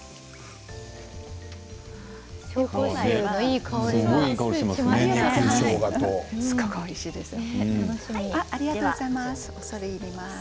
紹興酒のいい香りがしますね。